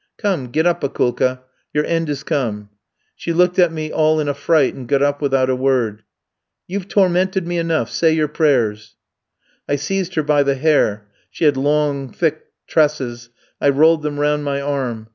"'Come, get up, Akoulka; your end is come.' "She looked at me all in a fright, and got up without a word. "'You've tormented me enough. Say your prayers.' "I seized her by the hair she had long, thick tresses I rolled them round my arm.